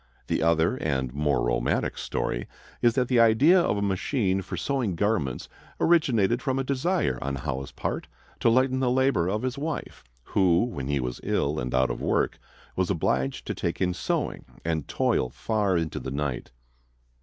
The other and more romantic story is that the idea of a machine for sewing garments originated from a desire on Howe's part to lighten the labor of his wife, who, when he was ill and out of work, was obliged to take in sewing and toil far into the night.